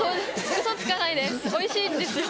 ウソつかないですおいしいんですよ。